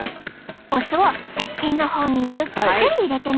お酢をせっけんの方にゆっくり入れてみて。